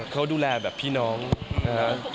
เขาดูแลแบบพี่น้องนะครับ